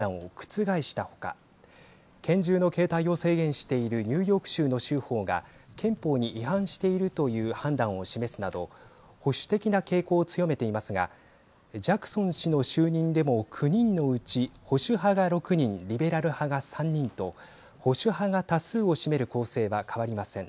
人工妊娠中絶は憲法で認められた権利だとしたおよそ５０年前の判断を覆したほか拳銃の携帯を制限しているニューヨーク州の州法が憲法に違反しているという判断を示すなど保守的な傾向を強めていますがジャクソン氏の就任でも９人のうち、保守派が６人リベラル派が３人と保守派が多数を占める構成は変わりません。